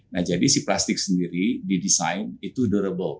nah jadi si plastik sendiri didesain itu derable